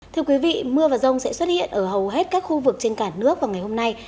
thưa quý vị mưa và rông sẽ xuất hiện ở hầu hết các khu vực trên cả nước vào ngày hôm nay